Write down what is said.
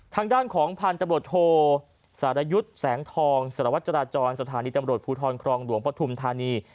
ทางด้านของพันธุ์ตำรวจโทสารยุทธ์แสงทองสารวัตรจราจรสถานีตำรวจภูทรครองหลวงปฐุมธานี